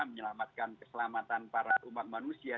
menyelamatkan keselamatan para umat manusia